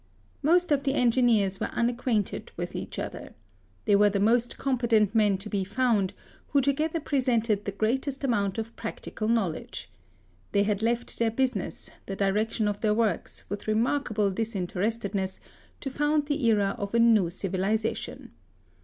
* Most of the engineers were unacquainted with each other. They were the most com petent men to be found, who together pre sented the greatest amount of practical knowledge. They had left their business, the direction of tbeir works, with remarkable dis interestedness, to found the era of a new ci\d lisation.